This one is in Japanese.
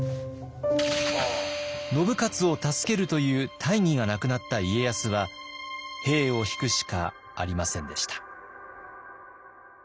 信雄を助けるという大義が無くなった家康は兵を引くしかありませんでした。